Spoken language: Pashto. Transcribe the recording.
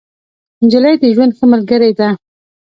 نجلۍ د ژوند ښه ملګرې ده.